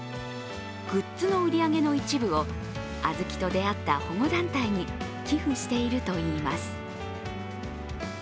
グッズの売り上げの一部をあずきと出会った保護団体に寄付しているといいます。